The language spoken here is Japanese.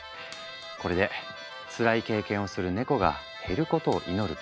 これでつらい経験をするネコが減ることを祈るばかり。